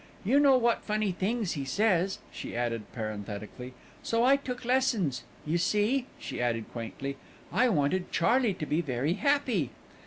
"You know what funny things he says," she added parenthetically "so I took lessons. You see," she added quaintly, "I wanted Charley to be very happy."